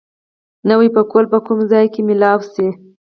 نوی پکول به کوم ځای مېلاو شي؟